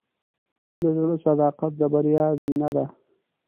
د زړۀ صداقت د بریا زینه ده.